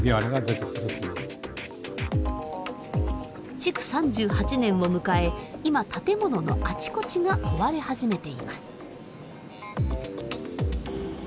築３８年を迎え今建物のあちこちが壊れ始めています。